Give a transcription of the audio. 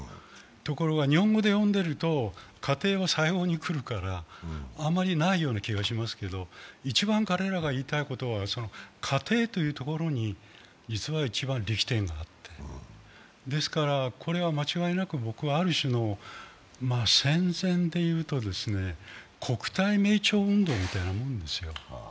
ところが日本語で読んでいると家庭が最後に来るからあまりないような気がしますけど、一番彼らが言いたいことは家庭というところに実は一番力点があって、ですから、これは間違いなく、ある種の戦前で言うと運動みたいなもんですよ。